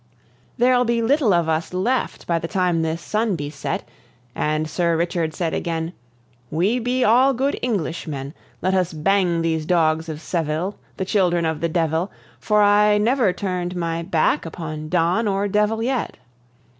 "There'll be little of us left by the time this sun be set" And Sir Richard said again: "We be all good Englishmen. Let us bang these dogs of Seville, the children of the devil, For I never turn'd my back upon Don or devil yet."